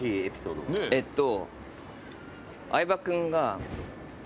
えっと。